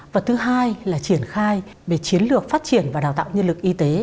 và thứ hai là triển khai về chiến lược phát triển và đào tạo nhân lực y tế